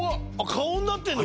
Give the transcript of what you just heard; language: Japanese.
顔になってんの？